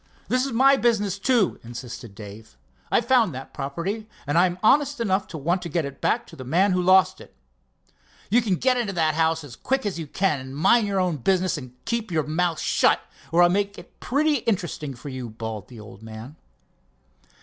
"This is my business, too," insisted Dave. "I found that property, and I'm honest enough to want to get it right back to the man who lost it." "You get into that house quick as you can, and mind your own business and keep your mouth shut, or I'll make it pretty interesting for you," bawled the old man.